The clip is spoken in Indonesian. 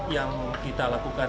yang kita lakukan kita lakukan